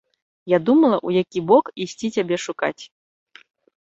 Я думала, у які бок ісці цябе шукаць.